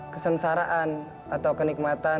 kesengsaraan atau kenikmatan